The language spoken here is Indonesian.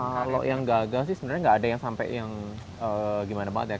kalau yang gagal sih sebenarnya nggak ada yang sampai yang gimana banget ya